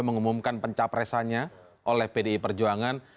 mengumumkan pencapresannya oleh pdi perjuangan